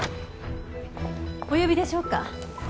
お呼びでしょうか？